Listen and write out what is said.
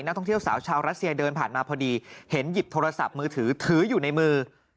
นักท่องเที่ยวสาวชาวรัสเซียเดินผ่านมาพอดีเห็นหยิบโทรศัพท์มือถือถืออยู่ในมือ